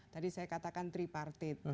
tadi saya katakan tripartit